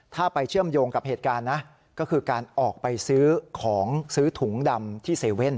ถ้าไปเชื่อมโยงกับเหตุการณ์นะก็คือการออกไปซื้อของซื้อถุงดำที่๗๑๑